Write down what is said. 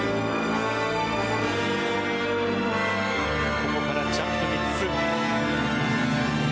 ここからジャンプ３つ。